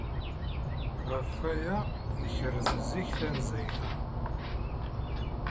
Ɣef waya ay nekreɣ zik tanezzayt-a.